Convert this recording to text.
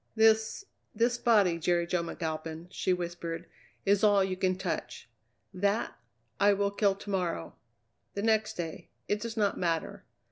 "This this body, Jerry Jo McAlpin," she whispered, "is all you can touch. That, I will kill to morrow the next day it does not matter.